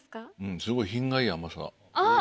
すごい品がいい甘さ。